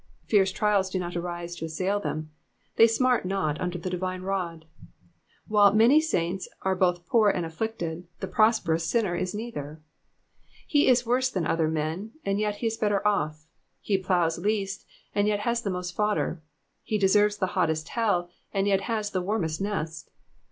'''' Fierce trials do not arise to assail them: they smart not under the divine rod. While many saints are both poor and afflicted, the prosperous sinner is neither. He is worse than other men, and yet he is better off ; he ploughs least, and yet has the most fodder. He deserves the hottest hell, and yet has the warmest nest.